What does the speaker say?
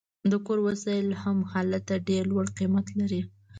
د کور وسایل هم هلته ډیر لوړ قیمت لري